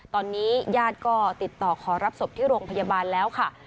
ตอนนี้ญาติก็ติดต่อขอรับศพที่โรงพยาบาลแล้วค่ะ